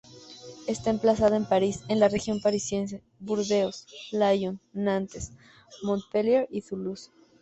Está emplazada en París, en la región parisiense, Burdeos, Lyon, Nantes, Montpellier y Toulouse.